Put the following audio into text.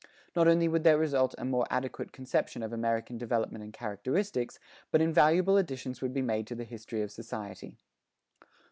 Not only would there result a more adequate conception of American development and characteristics, but invaluable additions would be made to the history of society.